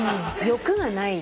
欲がない。